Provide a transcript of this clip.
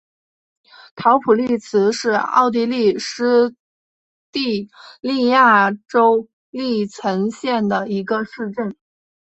陶普利茨是奥地利施蒂利亚州利岑县的一个市镇。